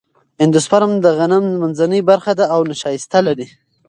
اندوسپرم د غنم منځنۍ برخه ده او نشایسته لري.